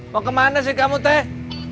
mau kemana sih kamu teh